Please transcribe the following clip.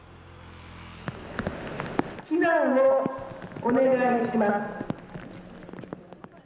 避難をお願いします。